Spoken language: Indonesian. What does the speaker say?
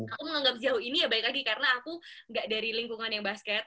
aku menganggap jauh ini ya baik lagi karena aku gak dari lingkungan yang basket